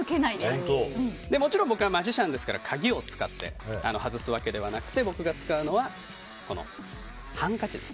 もちろん僕はマジシャンですから鍵を使って外すわけではなく僕が使うのはハンカチです。